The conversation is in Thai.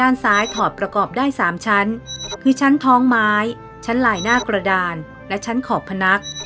นี่๓ชั้นคือชั้นทองไม้ชั้นหลายหน้ากระดานและชั้นขอบพนัก